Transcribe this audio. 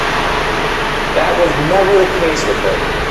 That was never the case with her.